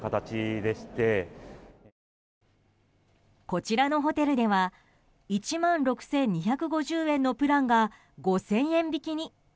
こちらのホテルでは１万６２５０円のプランが５０００円引きに。